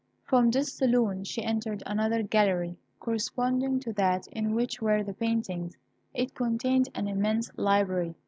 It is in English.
From this saloon, she entered another gallery, corresponding to that in which were the paintings. It contained an immense library.